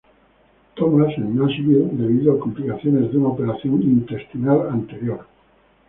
Thomas, en Nashville debido a complicaciones de una operación intestinal anterior.